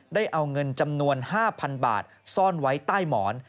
ได้เอาเงินจำนวน๕๐๐๐บาทซ่อนไว้ใต้หมอน